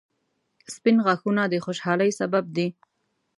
• سپین غاښونه د خوشحالۍ سبب دي